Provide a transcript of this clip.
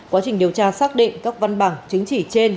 quá trình điều tra xác định các văn bằng chứng chỉ trên